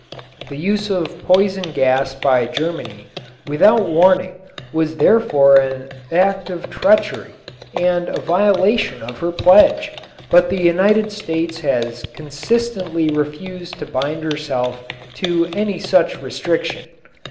The use of poison gas by Germany without warning was therefore an act of treachery and a violation of her pledge, but the United States has consistently refused to bind herself to any such restriction.